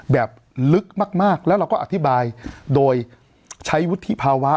แบบลึกมากแล้วเราก็อธิบายโดยใช้วุฒิภาวะ